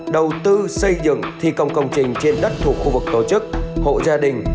đầu tư xây dựng thi công công trình trên đất thuộc khu vực tổ chức hộ gia đình